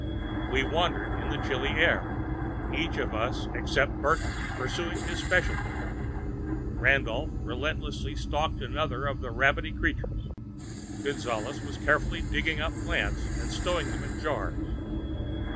We wandered in the chilly air, each of us except Burton pursuing his specialty. Randolph relentlessly stalked another of the rabbity creatures. Gonzales was carefully digging up plants and stowing them in jars.